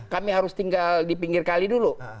kami harus tinggal di pinggir kali dulu